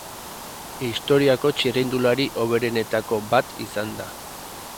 Historiako txirrindulari hoberenetako bat izan da.